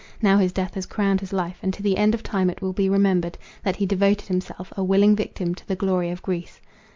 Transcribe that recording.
Now his death has crowned his life, and to the end of time it will be remembered, that he devoted himself, a willing victim, to the glory of Greece.